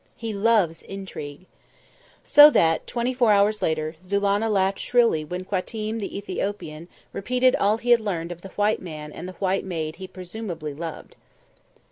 He loves intrigue! So that, twenty four hours later, Zulannah laughed shrilly when Qatim the Ethiopian repeated all he had learned of the white man and the white maid he presumably loved.